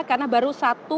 karena baru satu